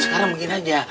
sekarang begini aja